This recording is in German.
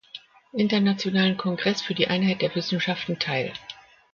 Internationalen Kongress für die Einheit der Wissenschaften teil.